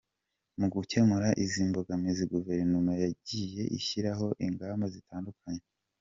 Mu gukemura izi mbogamizi Guverinoma yagiye ishyiraho ingamba zitandukanye.